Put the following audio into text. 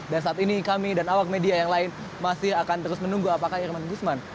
dan saat ini kami dan awak media yang lain masih akan terus menunggu apakah irman gusman